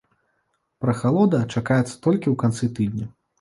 Прахалода чакаецца толькі ў канцы тыдня.